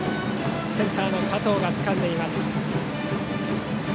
センターの加藤がつかんでいます。